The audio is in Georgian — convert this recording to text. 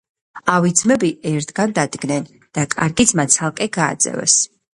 ავი ძმები ერთგან დადგნენ და კარგი ძმა ცალკე გააძევეს.